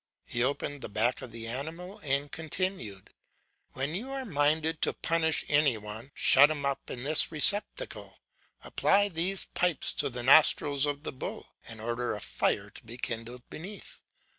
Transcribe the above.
He opened the back of the animal, and continued: "When you are minded to punish any one, shut him up in this receptacle, apply these pipes to the nostrils of the bull, and order a fire to be kindled beneath.